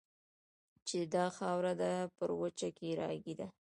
چې دا خاوره ده پر وچه کې راګېره